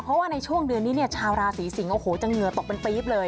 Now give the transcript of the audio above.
เพราะว่าในช่วงเดือนนี้เนี่ยชาวราศีสิงศ์โอ้โหจะเหงื่อตกเป็นปี๊บเลย